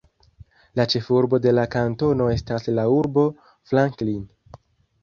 La ĉefurbo de la kantono estas la urbo Franklin.